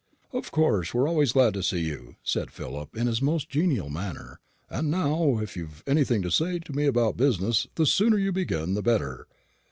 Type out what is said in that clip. "Of course we're always glad to see you," said Philip in his most genial manner; "and now, if you've anything to say to me about business, the sooner you begin the better.